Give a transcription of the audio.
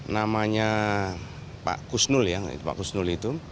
namanya pak kusnul ya pak kusnul itu